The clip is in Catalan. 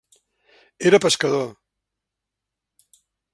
Era pescador.